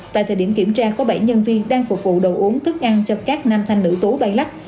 tại thời điểm kiểm tra có bảy nhân viên đang phục vụ đồ uống thức ăn cho các nam thanh nữ tú bay lắc